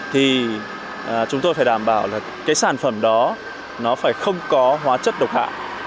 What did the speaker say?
thì chúng tôi phải đảm bảo là cái sản phẩm đó nó phải không có hóa chất độc hại